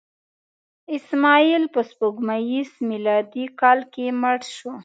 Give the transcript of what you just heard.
اسماعیل په سپوږمیز میلادي کال کې مړ شو.